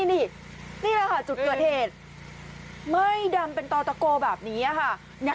นี่แหละค่ะจุดเกิดเหตุไหม้ดำเป็นต่อตะโกแบบนี้ค่ะ